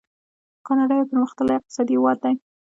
کاناډا یو پرمختللی اقتصادي هیواد دی.